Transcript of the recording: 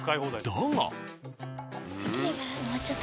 だが。